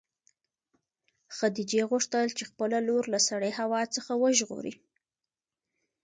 خدیجې غوښتل چې خپله لور له سړې هوا څخه وژغوري.